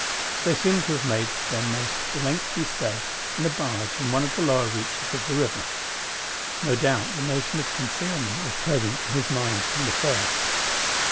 They seem to have made their most lengthy stay in a barge in one of the lower reaches of the river. No doubt the notion of conceal ment was present to his mind from the first.